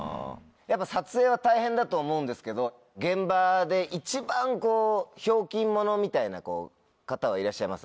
やっぱ撮影は大変だと思うんですけど現場で一番ひょうきん者みたいな方はいらっしゃいます？